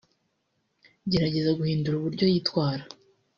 Gerageza guhindura uburyo yitwara